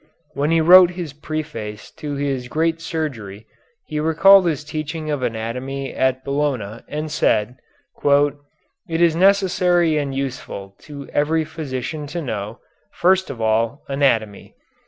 When he wrote his preface to his great surgery he recalled this teaching of anatomy at Bologna and said, "It is necessary and useful to every physician to know, first of all, anatomy.